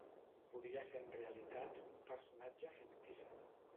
Podria ser en realitat un personatge fictici.